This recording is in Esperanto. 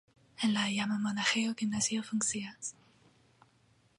En la iama monaĥejo gimnazio funkcias.